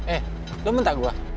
eh lu minta gua